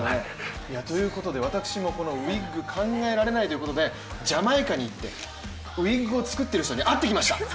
私もこのウイッグ、考えられないということで、ジャマイカに行ってウイッグを作っている人に会ってきました。